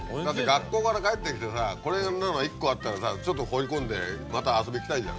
学校から帰ってきてさこんなのが１個あったらさちょっと放り込んでまた遊び行きたいじゃん。